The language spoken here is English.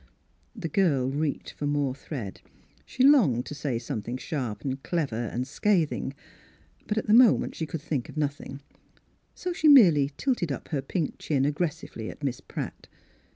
The girl reached for more thread. She longed to say something sharp and clever Miss Fhilura's Wedding Gown and scathing; but at the moment she could think of nothing; so she merely tilted up her pink chin aggressively at Miss Pratt.